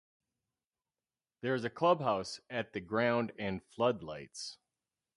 There is a clubhouse at the ground and floodlights.